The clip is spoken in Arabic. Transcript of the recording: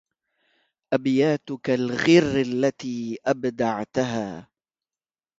أبياتك الغر التي أبدعتها